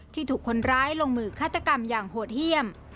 ถูกคนร้ายลงมือฆาตกรรมอย่างโหดเยี่ยม